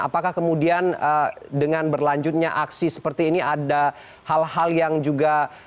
apakah kemudian dengan berlanjutnya aksi seperti ini ada hal hal yang juga